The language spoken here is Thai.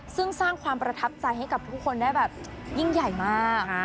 ซึ่งสร้างความประทับใจให้กับทุกคนได้แบบยิ่งใหญ่มาก